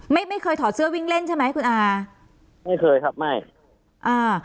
ไม่เคยถอดเสื้อวิ่งเล่นใช่ไหมคุณอาไม่เคยครับไม่อ่า